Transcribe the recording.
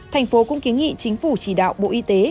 thành phố cũng kiến nghị chính phủ chỉ đạo